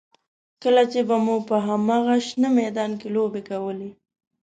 کله چې به مو په همدغه شنه میدان کې لوبې کولې.